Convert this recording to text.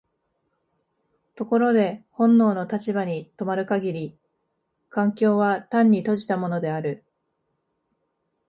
ところで本能の立場に止まる限り環境は単に閉じたものである。